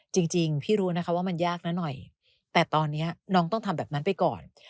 จริงพี่รู้นะคะว่ามันยากนะหน่อยแต่ตอนนี้น้องต้องทำแบบนั้นไปก่อน